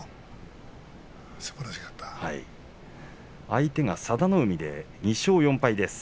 相手は佐田の海で２勝４敗です。